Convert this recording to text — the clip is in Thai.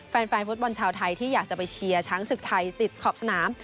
แฟนฟุตบอลชาวไทยที่อยากจะไปเชียร์ช้างศึกไทยติดขอบสนาม